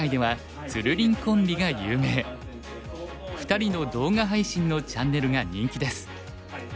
２人の動画配信のチャンネルが人気です。